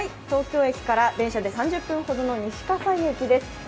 東京駅から電車で３０分ほどの西葛西駅です。